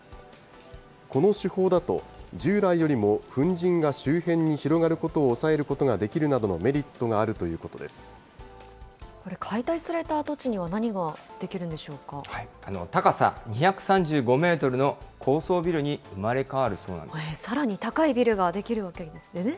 この手法だと、従来よりも粉じんが周辺に広がることを抑えることができるなどのメリットがあるとこれ、解体された跡地には、高さ２３５メートルの高層ビさらに高いビルが出来るわけですね。